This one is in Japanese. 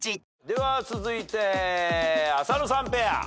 では続いて浅野さんペア。